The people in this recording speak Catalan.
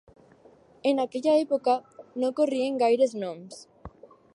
En aquella època no corrien gaires noms.